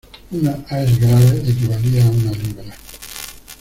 Una "aes grave" equivalía a una libra.